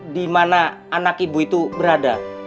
dimana anak ibu itu berada